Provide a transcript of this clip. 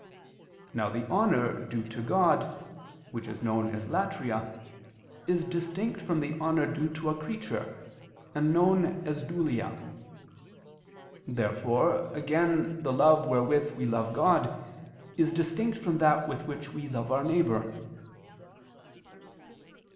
Now the honor due to God, which is known as latria, is distinct from the honor due to a creature, and known as dulia. Therefore again the love wherewith we love God, is distinct from that with which we love our neighbor.